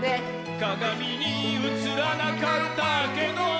「かがみにうつらなかったけど」